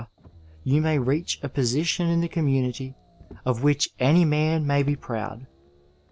you may reach a position in the conmiunity of which any man may be proud.